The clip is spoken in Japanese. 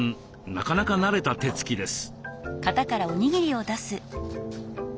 なかなか慣れた手つきです。